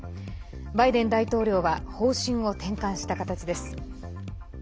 バイデン大統領は方針を転換した形です。